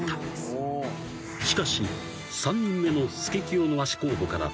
［しかし３人目のスケキヨの足候補から］